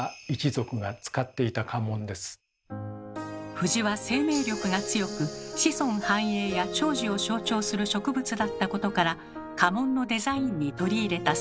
藤は生命力が強く子孫繁栄や長寿を象徴する植物だったことから家紋のデザインに取り入れたそうです。